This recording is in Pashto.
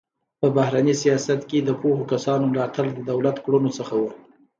په بهرني سیاست کې د پوهو کسانو ملاتړ د دولت کړنو څخه و.